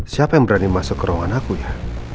siapa yang berani masuk ke ruangan aku ya